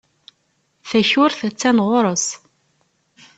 Takurt attan ɣer-s.